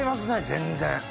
全然。